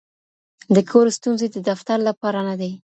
د کور ستونزې د دفتر لپاره نه دي.